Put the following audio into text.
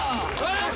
よし！